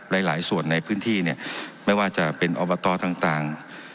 หลายหลายส่วนในพื้นที่เนี่ยไม่ว่าจะเป็นอบตต่าง